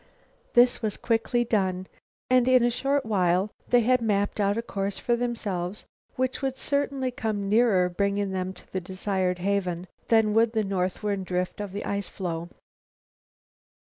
This was quickly done. And in a short while they had mapped out a course for themselves which would certainly come nearer bringing them to the desired haven than would the north ward drift of the ice floe.